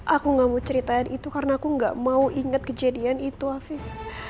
aku gak mau ceritain itu karena aku gak mau inget kejadian itu afif